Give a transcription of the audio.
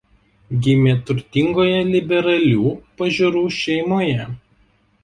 Gimė turtingoje liberalių pažiūrų šeimoje.